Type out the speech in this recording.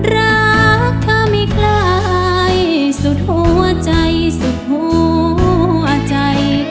รักเธอไม่คล้ายสุดหัวใจสุดหัวใจ